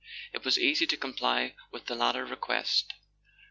It was easy to comply with the latter request.